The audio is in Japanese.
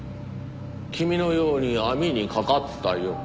君のように網に掛かったよ。